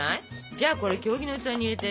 じゃあ経木の器に入れて。